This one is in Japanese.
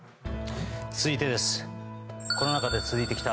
続いてです。